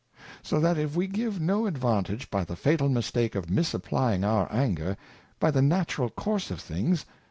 So tha t if we _give no advantage by the fatal M istake o f misapplying_our_Aiiggr]^y th e natural rnnrsp nl things.